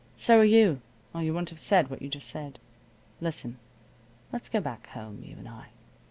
So are you, or you wouldn't have said what you just said. Listen. Let's go back home, you and I.